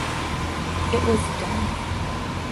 It was done.